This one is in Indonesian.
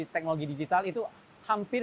teknologi digital itu hampir